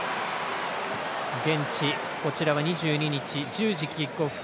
現地、こちらは２２日１０時キックオフ。